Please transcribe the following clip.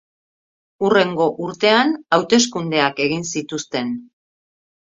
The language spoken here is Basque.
Hurrengo urtean, hauteskundeak egin zituzten.